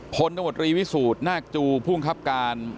พลตระกวดรีวิสูตรหน้าจู่ภูมิครับการ